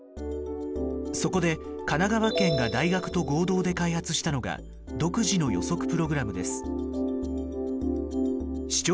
そこで神奈川県が大学と合同で開発したのが独自の予測プログラムです。